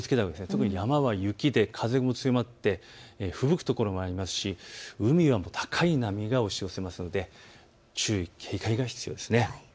特に山は雪で風も強まってふぶく所もありますし海は高い波が押し寄せますので注意警戒が必要です。